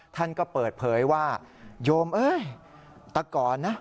ท่านก็เปิดเผยว่าโยมเอ้ยแต่ก่อนนะ